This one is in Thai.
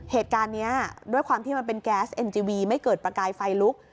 เหตุการณ์นี้ด้วยความที่มันเป็นแก๊สเอ็นจีวีไม่เกิดประกายไฟลุก